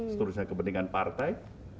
seterusnya kepentingan partai